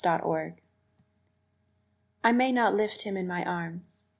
The Child I MAY not lift him in my arms.